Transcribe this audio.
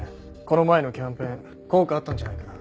この前のキャンペーン効果あったんじゃないかな。